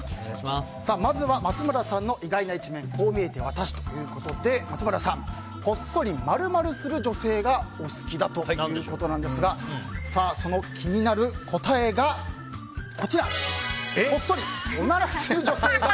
まずは松村さんの意外な一面こう見えてワタシということで松村さんこっそり○○をする女性がお好きということですがその気になる答えがこっそりおならする女性が